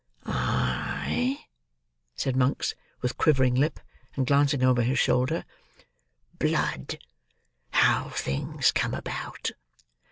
"Ay?" said Monks, with quivering lip, and glancing over his shoulder, "Blood! How things come about!"